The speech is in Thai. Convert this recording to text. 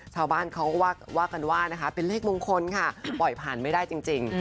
ชาวบ้านเขาก็ว่ากันว่านะคะเป็นเลขมงคลค่ะปล่อยผ่านไม่ได้จริง